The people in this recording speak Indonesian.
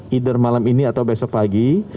either malam ini atau besok pagi